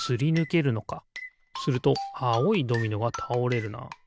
するとあおいドミノがたおれるな。